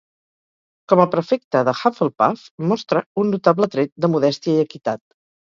Com a prefecte de Hufflepuff, mostra un notable tret de modèstia i equitat.